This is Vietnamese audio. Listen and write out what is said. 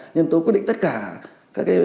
nhân tố quyết định tất cả